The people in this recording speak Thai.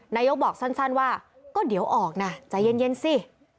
นายกบอกสั้นว่าก็เดี๋ยวออกนะใจเย็นสิ